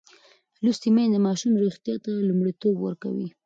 لوستې میندې د ماشوم روغتیا ته لومړیتوب ورکوي.